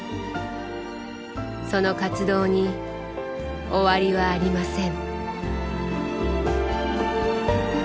その活動に終わりはありません。